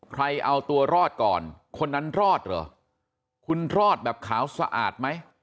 ใครเอาตัวรอดก่อนคนนั้นรอดเหรอคุณรอดแบบขาวสะอาดไหม